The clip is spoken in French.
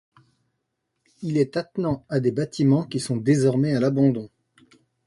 Il est attenant à des bâtiments qui sont désormais à l'abandon.